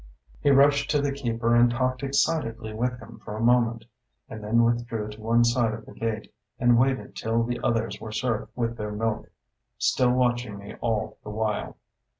He rushed to the keeper and talked excitedly with him for a moment, and then withdrew to one side of the gate and waited till the others were served with their milk, still watching me all the while.